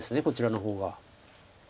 こちらの方が。